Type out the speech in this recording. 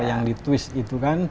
yang di twist